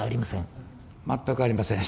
全くありません。